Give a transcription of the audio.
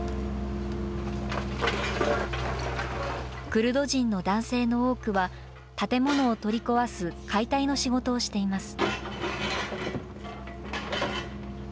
クルド人の男性の多くは、建物を取り壊す解体の仕事をしています。